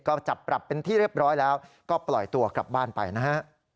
ก็จับปรับเป็นที่เรียบร้อยแล้วก็ปล่อยตัวกลับบ้านไปนะฮะ